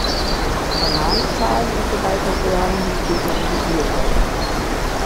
Bananenschalen und so weiter gehören hingegen in die Biotonne.